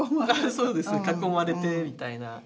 そうです囲まれてみたいな。